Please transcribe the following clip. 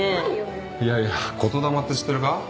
いやいや言霊って知ってるか？